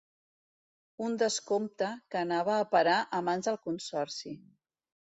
Un descompte que anava a parar a mans del consorci.